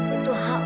itu hakmu nak